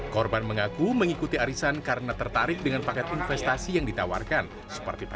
korban mengaku mengikuti arisan karena tertarik dengan paket investasi yang ditawarkan seperti pak